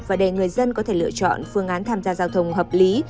và để người dân có thể lựa chọn phương án tham gia giao thông hợp lý